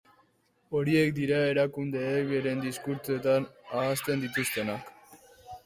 Horiek dira erakundeek beren diskurtsoetan ahazten dituztenak.